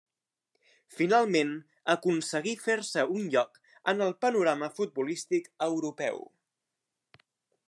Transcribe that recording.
Finalment aconseguí fer-se un lloc en el panorama futbolístic europeu.